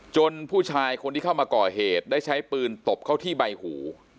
ผู้ชายคนที่เข้ามาก่อเหตุได้ใช้ปืนตบเข้าที่ใบหู